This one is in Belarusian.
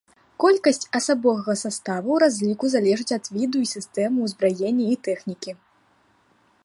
Колькасць асабовага саставу ў разліку залежыць ад віду і сістэмы ўзбраення і тэхнікі.